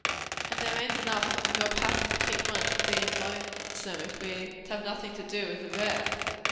"And there ain't enough o' your pattern to keep one from bein' lonesome, if we're to have nothin' to do with the rest."